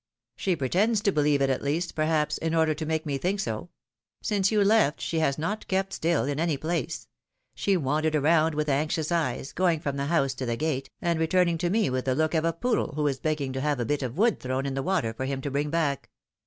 She pretends to believe it, at least, perhaps in order to make me think so. Since you left, she has not kept still, in any place; she wandered around with anxious eyes, going from the house to the gate, and returning to me with the look of a poodle who is begging to have a bit of wood thrown in the water for him to bring back.